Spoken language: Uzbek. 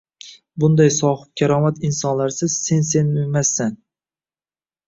Bunday sohibkaromat insonlarsiz sen-sen emasday.